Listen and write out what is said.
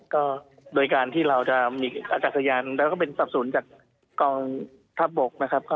ก็โดยการที่เราจะมีจักรยานหนึ่งแล้วก็เป็นสับสนจากกองทัพบกนะครับ